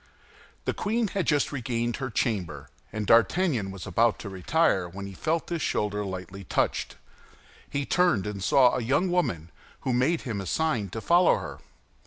The queen had just regained her chamber, and D'Artagnan was about to retire, when he felt his shoulder lightly touched. He turned and saw a young woman, who made him a sign to follow her.